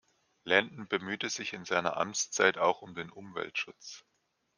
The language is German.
Landon bemühte sich in seiner Amtszeit auch um den Umweltschutz.